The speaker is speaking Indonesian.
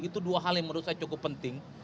itu dua hal yang menurut saya cukup penting